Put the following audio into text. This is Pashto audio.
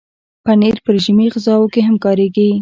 پنېر په رژیمي غذاوو کې هم کارېږي.